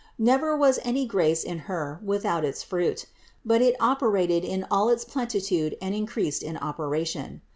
Never was any grace in Her without its fruit, but it operated in all its plenitude and increased in operation.